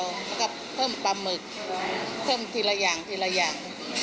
แล้วก็เพิ่มปลาหมึกเพิ่มทีละอย่างทีละอย่าง